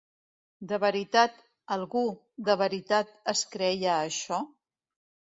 De veritat, algú, de veritat, es creia això?